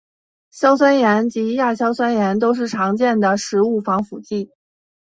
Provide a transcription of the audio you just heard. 硝酸盐及亚硝酸盐都是常见的食物防腐剂。